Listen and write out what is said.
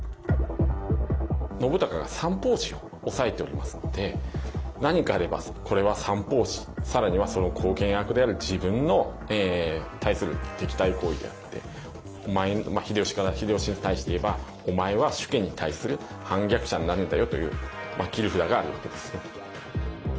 信孝が三法師を抑えておりますので何かあればこれは三法師更にはその後見役である自分の対する敵対行為であって秀吉に対して言えばお前は主家に対する反逆者になるんだよという切り札があるわけですね。